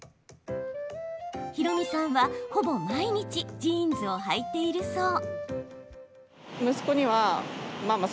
ひろみさんは、ほぼ毎日ジーンズをはいているそう。